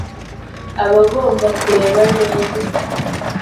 aba agomba kureba neza